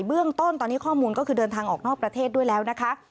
เบื้องต้นตอนนี้ข้อมูลก็คือเดินทางออกนอกประเทศด้วยแล้วนะคะ